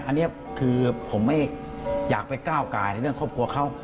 อันนี้คือผมไม่อยากไปก้าวกายในเรื่องครอบครัวเขา